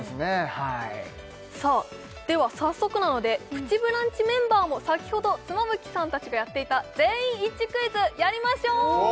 はいさあでは早速なので「プチブランチ」メンバーも先ほど妻夫木さん達がやっていた全員一致クイズをやりましょう